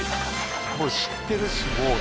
もう知ってるしもうね。